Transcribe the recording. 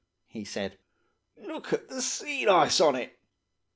he said. 'Look at the sea lice on it!